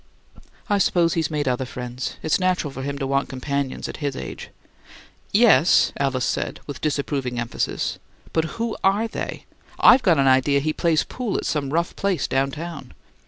"I suppose he's made other friends. It's natural for him to want companions, at his age." "Yes," Alice said, with disapproving emphasis. "But who are they? I've got an idea he plays pool at some rough place down town."